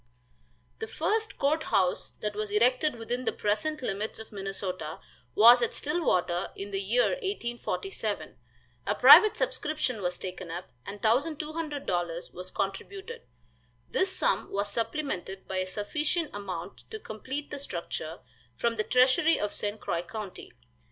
The first court house that was erected within the present limits of Minnesota was at Stillwater, in the year 1847. A private subscription was taken up, and $1,200 was contributed. This sum was supplemented by a sufficient amount to complete the structure, from the treasury of St. Croix county.